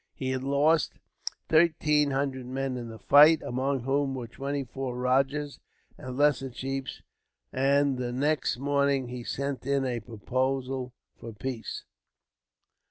He had lost thirteen hundred men in the fight, among whom were twenty four rajahs and lesser chiefs, and the next morning he sent in a proposal for peace.